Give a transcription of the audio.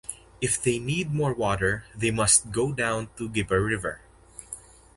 If they need more water they must go down to Giba River.